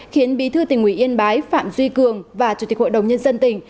khiến bí thư tỉnh ủy yên bái phạm duy cường và chủ tịch hội đồng nhân dân tỉnh